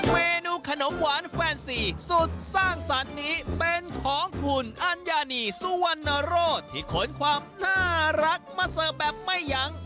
เมนูขนมหวานแฟนซีสุดสร้างสรรค์นี้เป็นของคุณอัญญานีสุวรรณโรธที่ขนความน่ารักมาเสิร์ฟแบบไม่ยั้ง